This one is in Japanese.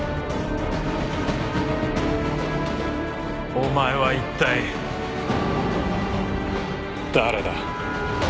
お前は一体誰だ？